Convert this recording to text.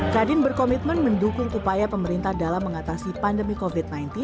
kadin berkomitmen mendukung upaya pemerintah dalam mengatasi pandemi covid sembilan belas